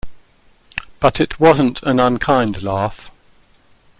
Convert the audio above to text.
But it wasn't an unkind laugh.